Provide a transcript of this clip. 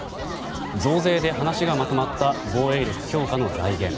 増税で話がまとまった防衛力強化の財源。